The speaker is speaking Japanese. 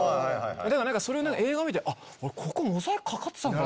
だから何かそれ映画見て「ここモザイクかかってたんだ」。